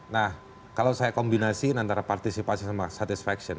nah kalau saya kombinasi antara partisipasi sama satisfaction